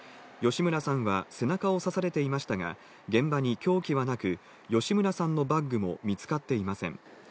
吉村さんは背中を刺されていましたが、現場に凶器はなく、吉村さんのバッグも見つかっていません。